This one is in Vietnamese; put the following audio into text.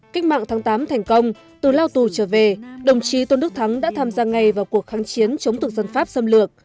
cách mạng tháng tám thành công từ lao tù trở về đồng chí tôn đức thắng đã tham gia ngay vào cuộc kháng chiến chống tục dân pháp xâm lược